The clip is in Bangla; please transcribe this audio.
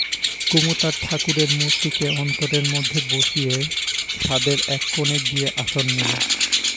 কুমু তার ঠাকুরের মূর্তিকে অন্তরের মধ্যে বসিয়ে ছাদের এক কোণে গিয়ে আসন নিল।